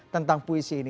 tentang puisi ini